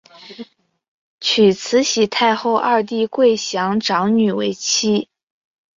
娶慈禧太后二弟桂祥长女为妻。